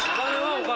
お金。